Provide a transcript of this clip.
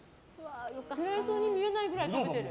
嫌いそうに見えないくらい食べてる。